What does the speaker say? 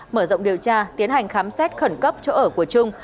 mở rộng điều tra tiến hành khám xét khẩn cấp chỗ ở của trung